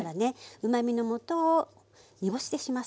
うまみのもとを煮干しでします。